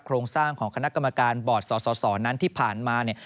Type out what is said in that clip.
โครงสร้างของคณะกรรมการบอร์ดสสนั้นที่ผ่านมาเนี่ย